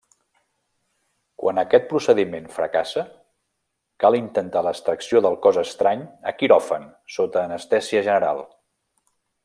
Quan aquest procediment fracassa, cal intentar l'extracció del cos estrany a quiròfan sota anestèsia general.